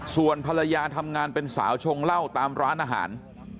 ส่วนภรรยาทำงานเป็นสาวชงเหล้าตามร้านอาหาร